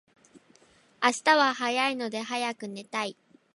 明日は早いので早く寝たい